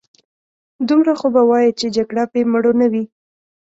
دومره خو به وايې چې جګړه بې مړو نه وي.